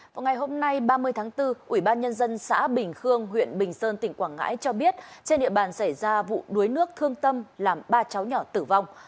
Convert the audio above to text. vào ngày hôm nay ba mươi tháng bốn ủy ban nhân dân xã bình khương huyện bình sơn tỉnh quảng ngãi cho biết trên địa bàn xảy ra vụ đuối nước thương tâm làm ba cháu nhỏ tử vong